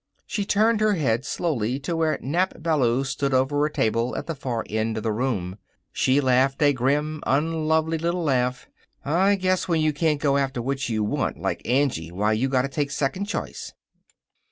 She turned her head slowly to where Nap Ballou stood over a table at the far end of the room. She laughed a grim, unlovely little laugh. "I guess when you can't go after what you want, like Angie, why you gotta take second choice."